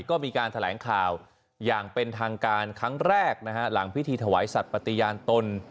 ก็มีการแถลงข่าวอย่างเป็นทางการครั้งแรกนะฮะหลังพิธีถวายสัตว์ปฏิญาณตน